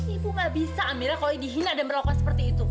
ibu nggak bisa amirah kalau dihina dan berlaku seperti itu